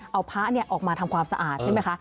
เอาพระออกมาทำความสะอาดใช่ไหมคะ